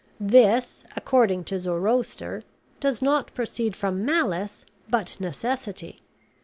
This, according to Zoroaster, does not proceed from malice, but necessity.